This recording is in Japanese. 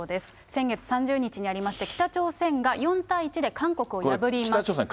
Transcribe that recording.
先月３０日にありまして、北朝鮮が４対１で韓国を破りました。